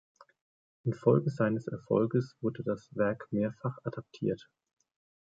In Folge seines Erfolges wurde das Werk mehrfach adaptiert.